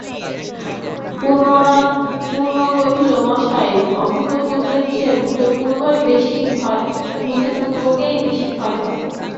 পূর্ণ কহিল, মশায়, অভূতপূর্বর চেয়ে ভূতপূর্বকেই বেশি ভয় হয়।